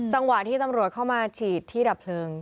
จังหวะที่ตำรวจเข้ามาฉีดที่ดับเพลิง